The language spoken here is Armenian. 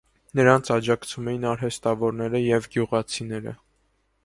Նրանց աջակցում էին արհեստավորները և գյուղացիները։